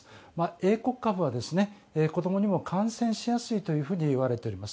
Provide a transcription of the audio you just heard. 英国株は子供にも感染しやすいというふうにいわれています。